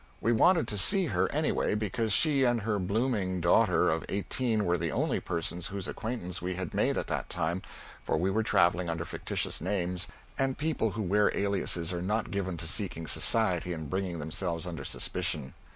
We wanted to see her, anyway, because she and her blooming daughter of eighteen were the only persons whose acquaintance we had made at that time, for we were travelling under fictitious names, and people who wear aliases are not given to seeking society and bringing themselves under suspicion.